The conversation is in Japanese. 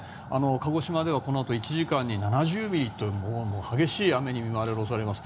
鹿児島ではこのあと１時間に７０ミリという激しい雨に見舞われる恐れもあります。